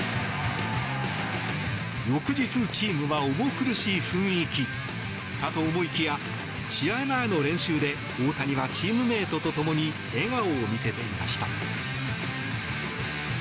翌日、チームは重苦しい雰囲気かと思いきや試合前の練習で大谷はチームメートともに笑顔を見せていました。